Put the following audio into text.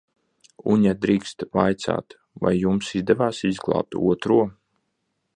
Un, ja drīkstu vaicāt, vai jums izdevās izglābt Otro?